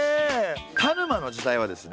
田沼の時代はですね